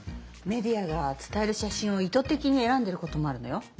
メディアが伝える写真を意図てきに選んでいることもあるのよ。